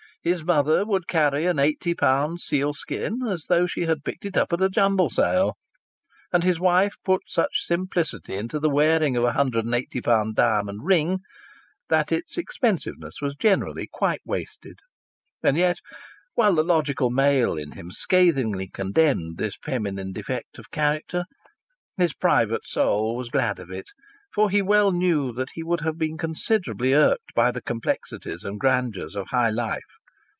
His mother would carry an eighty pound sealskin as though she had picked it up at a jumble sale, and his wife put such simplicity into the wearing of a hundred and eighty pound diamond ring that its expensiveness was generally quite wasted. And yet, while the logical male in him scathingly condemned this feminine defect of character, his private soul was glad of it, for he well knew that he would have been considerably irked by the complexities and grandeurs of high life.